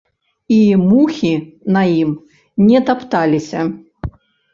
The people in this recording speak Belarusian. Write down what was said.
І мухі на ім не тапталіся!